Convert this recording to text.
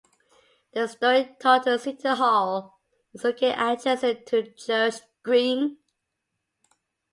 The historic Taunton City Hall is located adjacent to Church Green.